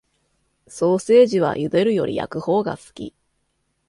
ソーセージは茹でるより焼くほうが好き